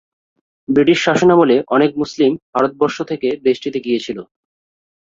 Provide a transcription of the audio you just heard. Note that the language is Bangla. ব্রিটিশ শাসনামলে অনেক মুসলিম ভারতবর্ষ থেকে দেশটিতে গিয়েছিল।